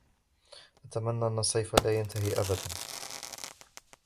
أتمنىَ أن الصيف لا ينتهىِ ابداً.